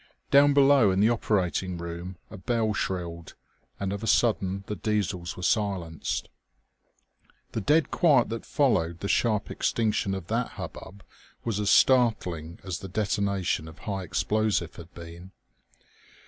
Down below in the operating room a bell shrilled, and of a sudden the Diesels were silenced. The dead quiet that followed the sharp extinction of that hubbub was as startling as the detonation of high explosive had been.